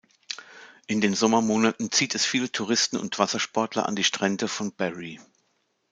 In den Sommermonaten zieht es viele Touristen und Wassersportler an die Strände von Barrie.